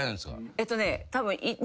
えっとねたぶん。